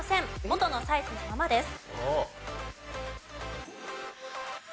元のサイズのままです。